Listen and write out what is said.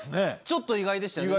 ちょっと意外でしたよね。